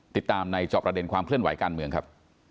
ติดตามในจอบประเด็นความเคลื่อนไหวการเมืองครับ